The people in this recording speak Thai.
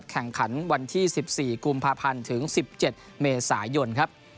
แข่งขันวันที่๑๔กุมภาพันธ์ถึง๑๗เมษายนครับ